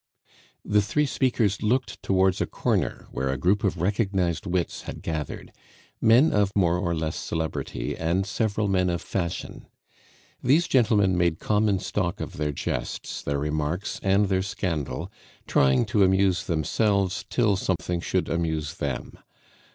The three speakers looked towards a corner where a group of recognized wits had gathered, men of more or less celebrity, and several men of fashion. These gentlemen made common stock of their jests, their remarks, and their scandal, trying to amuse themselves till something should amuse them.